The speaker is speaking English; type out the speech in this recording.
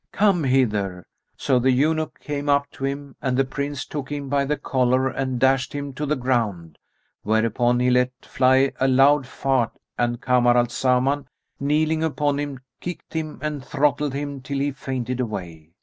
Come hither." So the eunuch came up to him, and the Prince took him by the collar and dashed him to the ground; whereupon he let fly a loud fart[FN#272] and Kamar al Zaman, kneeling upon him, kicked him and throttled him till he fainted away.